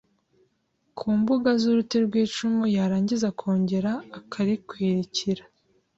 ku mbuga z’uruti rw’icumu yarangiza akongera akarikwikira